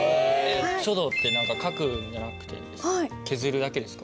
書道って書くんじゃなくて削るだけですか？